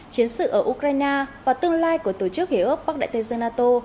chiến sự ở ukraine và tương lai của tổ chức hiệp ước bắc đại tây dương nato